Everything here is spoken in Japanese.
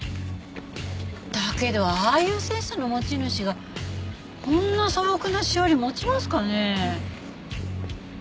だけどああいうセンスの持ち主がこんな素朴なしおり持ちますかね？